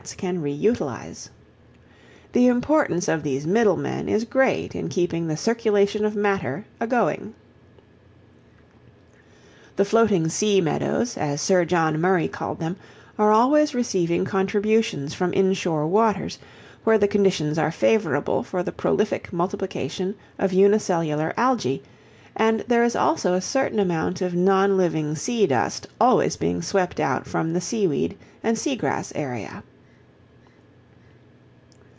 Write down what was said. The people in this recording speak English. The arrow shows the direction of the stream. Upper fish, male; lower, female.] The "floating sea meadows," as Sir John Murray called them, are always receiving contributions from inshore waters, where the conditions are favourable for the prolific multiplication of unicellular Algæ, and there is also a certain amount of non living sea dust always being swept out from the seaweed and sea grass area.